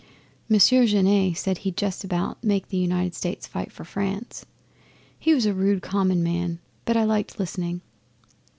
Monsieur Genet said he'd justabout make the United States fight for France. He was a rude common man. But I liked listening.